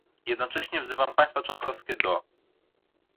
Jednocześnie wzywam państwa członkowskie do